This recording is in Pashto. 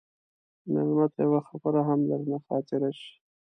مېلمه ته یوه خبره هم درنه خاطره شي.